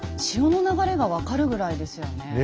潮の流れが分かるぐらいですよね。